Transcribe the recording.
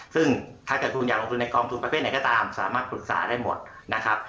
ซึ่งถ้าเกิดทุนอยากลงทุนในกองทุนประเภทไหนก็ตามสามารถปรึกษาได้หมดนะครับ